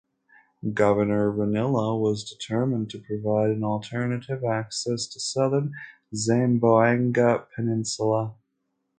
Governor Ranillo was determined to provide an alternative access to southern Zamboanga peninsula.